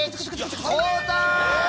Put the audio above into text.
交代！